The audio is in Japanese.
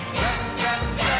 じゃんじゃん！